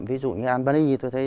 ví dụ như albania tôi thấy